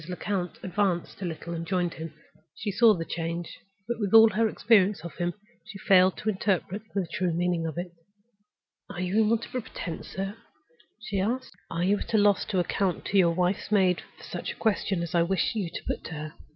Lecount advanced a little and joined him. She saw the change; but, with all her experience of him, she failed to interpret the true meaning of it. "Are you in want of a pretense, sir?" she asked. "Are you at a loss to account to your wife's maid for such a question as I wish you to put to her?